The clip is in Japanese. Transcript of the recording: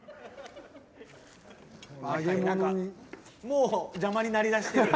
なんかもう邪魔になりだしてるやん。